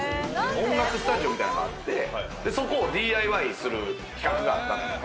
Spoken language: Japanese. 音楽スタジオみたいのがあって、そこをＤＩＹする企画があったのよ。